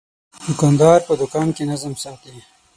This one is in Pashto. دوکاندار په دوکان کې نظم ساتي.